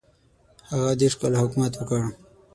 هغه دېرش کاله حکومت وکړ.